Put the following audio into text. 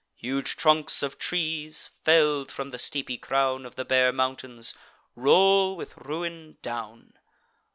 Huge trunks of trees, fell'd from the steepy crown Of the bare mountains, roll with ruin down.